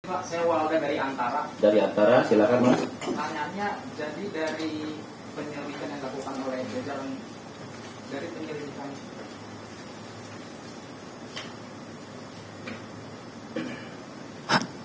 saya walau dari antara dari antara silahkan